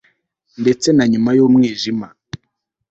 ndetse na nyuma y'umwijima